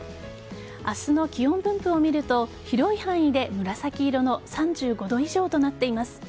明日の気温分布を見ると広い範囲で紫色の３５度以上となっています。